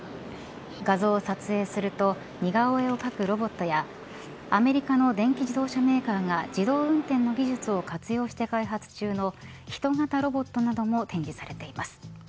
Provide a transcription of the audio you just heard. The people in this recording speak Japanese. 画像を撮影すると似顔絵を描くロボットやアメリカの電気自動車メーカーが自動運転の技術を活用して開発中のヒト型ロボットなども展示されています。